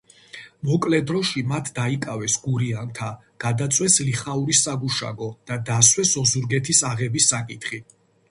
მოკლე დროში მათ დაიკავეს გურიანთა, გადაწვეს ლიხაურის საგუშაგო და დასვეს ოზურგეთის აღების საკითხი.